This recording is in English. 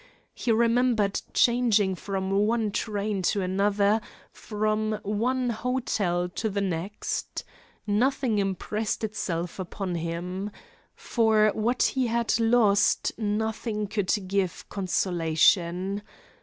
He remembered changing from one train to another, from one hotel to the next. Nothing impressed itself upon him. For what he had lost nothing could give consolation.